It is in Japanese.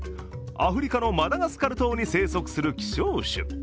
アフリカのマダガスカル島に生息する希少種。